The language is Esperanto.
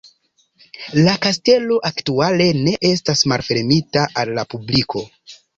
La kastelo aktuale ne estas malfermita al la publiko.